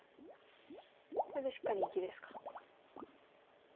これでしっかり生きですか。